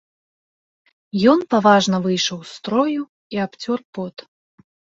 Ён паважна выйшаў з строю і абцёр пот.